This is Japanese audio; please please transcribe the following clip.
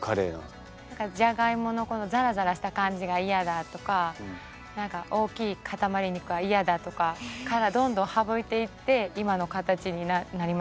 じゃがいものこのザラザラした感じが嫌だとか何か大きい塊肉は嫌だとかからどんどん省いていって今の形になりました。